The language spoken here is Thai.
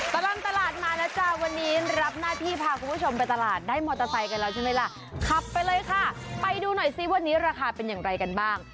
ตลอดตลาดมาแล้วจ้าวันนี้รับหน้าที่พาคุณผู้ชมไปตลาดได้มอเตอร์ไซค์กันแล้วใช่ไหมล่ะขับไปเลยค่ะไปดูหน่อยซิวันนี้ราคาเป็นอย่างไรกันบ้าง